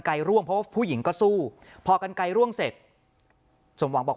ร่วงเพราะว่าผู้หญิงก็สู้พอกันไกลร่วงเสร็จสมหวังบอก